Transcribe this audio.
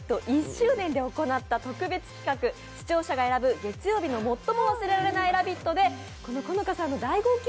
１周年で行った特別企画、視聴者が選ぶ月曜日の最も忘れられない「ラヴィット！」で好花さんの大号泣